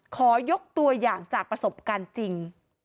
ขอยกตัวอย่างจากประสบการณ์จริง